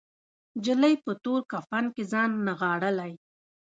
نجلۍ په تور کفن کې ځان نغاړلی